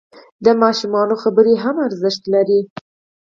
د ماشومانو خبرې هم ارزښت لري.